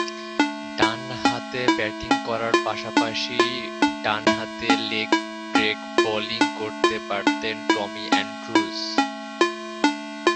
ডানহাতে ব্যাটিং করার পাশাপাশি ডানহাতে লেগ ব্রেক বোলিং করতে পারতেন টমি অ্যান্ড্রুজ।